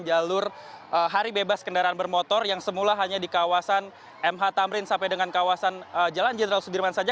jalur hari bebas kendaraan bermotor yang semula hanya di kawasan mh tamrin sampai dengan kawasan jalan jenderal sudirman saja